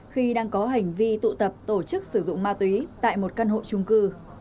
khi đang có hành vi tụ tập tổ chức sử dụng ma túy tại một căn hộ trung cư